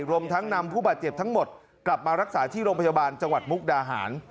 รวมทั้งนำผู้บาดเจ็บทั้งหมดกลับมารักษาที่โรงพยาบาลจังหวัดมุกดาหาร